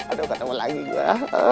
aduh nggak ketemu lagi gue